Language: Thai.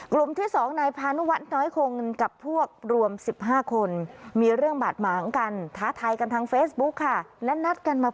กลุ่มที่สองนายพานุวัตน์น้อยคงกับพวกรวมสิบห้าคน